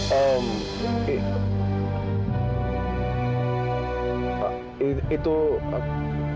jangan bilang kok kak fadil lupa lagi